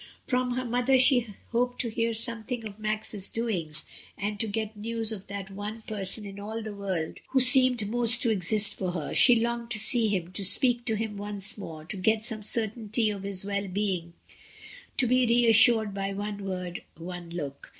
From her mother she hoped to hear something of Max's doings, and to get news of that one person 1 66 MRS. DYMOND. in all the world who seemed most to exist for her. She longed to see him, to speak to him once more, to get some certainty of his well being, to be r^ assured by one word, one look.